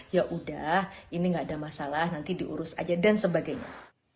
ya udah ini gak ada masalah nanti diurus aja dan sebagainya